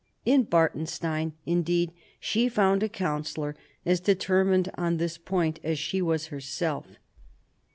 In Bartenstein, indeed, she found a counsellor as determined on this point as she was herself.